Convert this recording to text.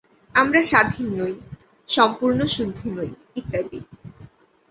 আমরা স্বাধীন নই, সম্পূর্ণ শুদ্ধ নই, ইত্যাদি।